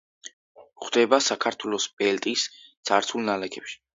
გვხვდება საქართველოს ბელტის ცარცულ ნალექებში.